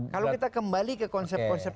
kalau kita kembali ke konsep konsep